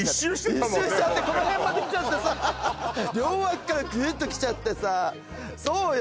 一周しちゃってこの辺まできてさ両脇からグーッときちゃってさそうよ